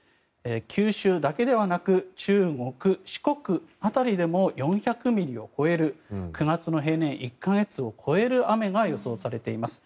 九州だけではなく中国・四国辺りでも４００ミリを超える９月の平年１か月を超える雨が予想されています。